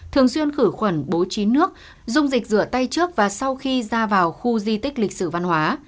thường xuyên khử khuẩn bố trí nước dung dịch rửa tay trước và sau khi ra vào khu di tích lịch sử văn hóa